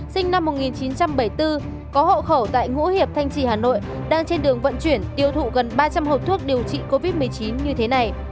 sinh năm một nghìn chín trăm bảy mươi bốn có hộ khẩu tại ngũ hiệp thanh trì hà nội đang trên đường vận chuyển tiêu thụ gần ba trăm linh hộp thuốc điều trị covid một mươi chín như thế này